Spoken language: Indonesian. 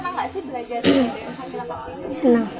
iya seale ketemu banyak teman